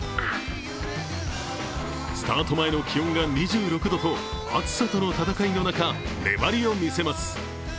スタート前の気温が２６度と暑さとの戦いの中、粘りを見せます。